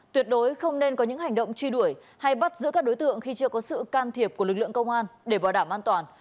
tuyệt đối không nên có những hành động truy đuổi hay bắt giữ các đối tượng khi chưa có sự can thiệp của lực lượng công an để bảo đảm an toàn